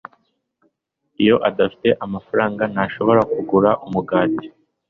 iyo adafite amafaranga, ntashobora kugura umugati